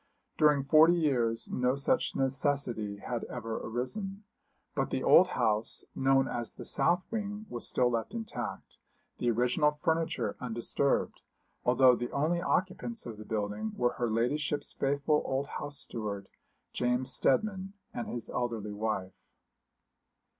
During forty years no such necessity had ever arisen; but the old house, known as the south wing, was still left intact, the original furniture undisturbed, although the only occupants of the building were her ladyship's faithful old house steward, James Steadman, and his elderly wife.